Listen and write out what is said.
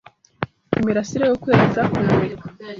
Imirasire y'ukwezi iza kumurika